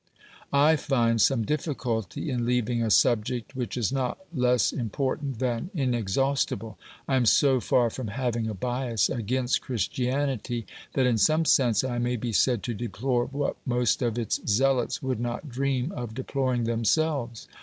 I find some difficulty in leaving a subject which is not less important than inexhaustible. I am so far from having a bias against Christianity that in some sense I may be said to deplore what most of its OBERMANN 173 zealots would not dream of deploring themselves.